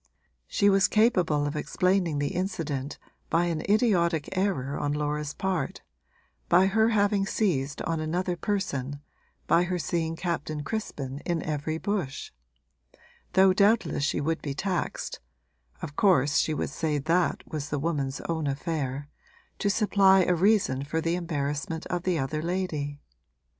She was capable of explaining the incident by an idiotic error on Laura's part, by her having seized on another person, by her seeing Captain Crispin in every bush; though doubtless she would be taxed (of course she would say that was the woman's own affair) to supply a reason for the embarrassment of the other lady.